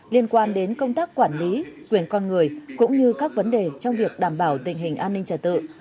liên quan đến công tác quản lý quyền con người cũng như các vấn đề trong việc đảm bảo tình hình an ninh trả tự